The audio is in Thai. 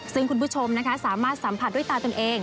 ซึ่งคุณผู้ชมนะคะสามารถสัมผัสด้วยตาตนเอง